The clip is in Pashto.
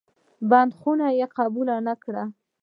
بندیخانه قبوله نه کړې.